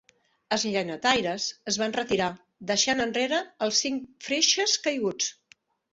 Els llenyataires es van retirar, deixant enrere els cinc freixes caiguts.